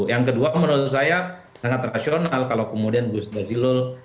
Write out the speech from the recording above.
yang kedua menurut saya sangat rasional kalau kemudian gus nazilul